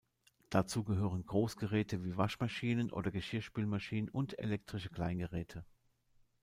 Dazu gehören Großgeräte wie Waschmaschinen oder Geschirrspülmaschinen und elektrische Kleingeräte.